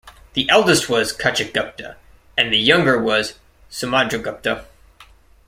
The eldest was Kachagupta and the younger was Samudragupta.